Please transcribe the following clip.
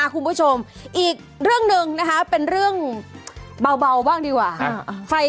คุณผู้ชมอีกเรื่องหนึ่งนะคะเป็นเรื่องเบาบ้างดีกว่า